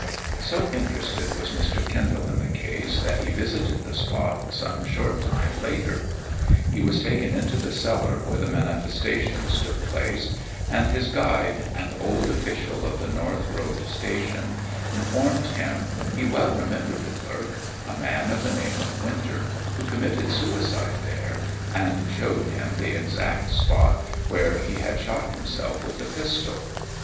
So interested was Mr. Kendall in the case that he visited the spot some short time later. He was taken into the cellar where the manifestations took place, and his guide, an old official of the North Road Station, informed him he well remembered the clerk a man of the name of Winter who committed suicide there, and showed him the exact spot where he had shot himself with a pistol.